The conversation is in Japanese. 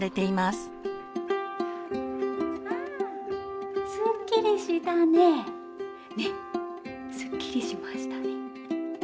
すっきりしましたね！